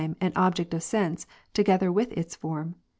an object of sense together with its form.